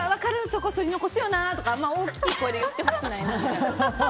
そこそり残すよな！と大きい声で言ってほしくない。